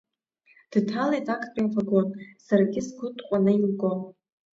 Дҭалеит актәи авагон, саргьы сгәы тҟәаны илгон.